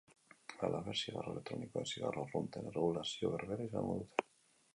Halaber, zigarro elektronikoek zigarro arrunten erregulazio berbera izango dute.